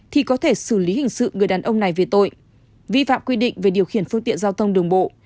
thì có thể xử lý hình sự người đàn ông này về tội vi phạm quy định về điều khiển phương tiện giao thông đường bộ